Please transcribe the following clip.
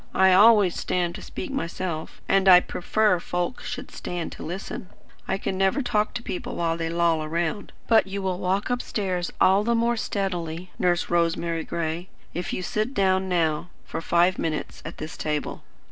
I always stand to speak myself, and I prefer folk should stand to listen. I can never talk to people while they loll around. But you will walk upstairs all the more steadily, Nurse Rosemary Gray, if you sit down now for five minutes at this table."